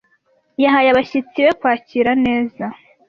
Yahaye abashyitsi be kwakira neza.